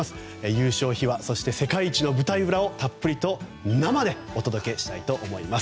優勝秘話、世界一の舞台裏をたっぷりと生でお届けします。